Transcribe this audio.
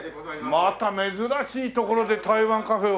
また珍しい所で台湾カフェを。